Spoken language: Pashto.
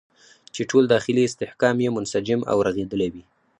چې ټول داخلي استحکام یې منسجم او رغېدلی وي.